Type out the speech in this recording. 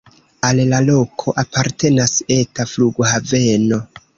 Al la loko apartenas eta flughaveno.